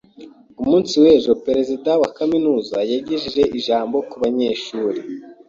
Ku munsi w'ejo perezida wa kaminuza yagejeje ijambo ku banyeshuri.